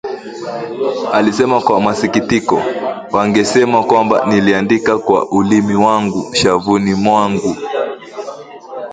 " alisema kwa masikitiko; "Wangesema kwamba niliandika kwa ulimi wangu shavuni mwangu